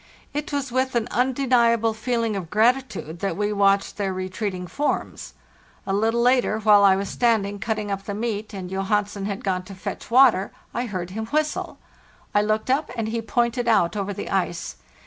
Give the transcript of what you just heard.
It was with an undeniable feeling of gratitude that we watched their retreating forms. <A little later, while I was standing cutting up the meat and Johansen had gone to fetch water, I heard him whistle. 1 looked up, and he pointed out over the ice.